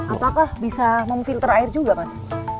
apakah bisa memfilter air juga mas